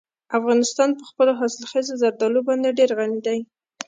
افغانستان په خپلو حاصلخیزه زردالو باندې ډېر غني دی.